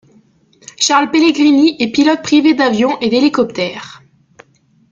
Charles Pellegrini est pilote privé d’avion et d’hélicoptère.